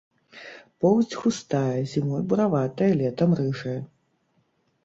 Поўсць густая, зімой бураватая, летам рыжая.